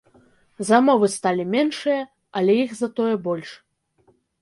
Замовы сталі меншыя, але іх затое больш.